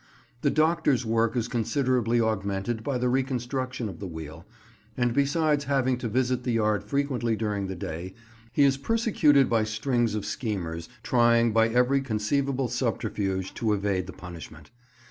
The doctor's work is considerably augmented by the reconstruction of the wheel, and besides having to visit the yard frequently during the day, he is persecuted by strings of schemers trying by every conceivable subterfuge to evade the punishment.